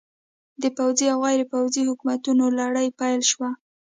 د پوځي او غیر پوځي حکومتونو لړۍ پیل شوه.